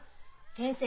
先生